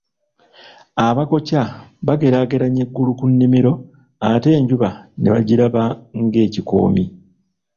Abakoca, baageraageranya eggulu ku nnimiro ate enjuba ne bagiraba ng'ekikoomi.